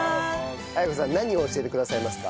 文子さん何を教えてくださいますか？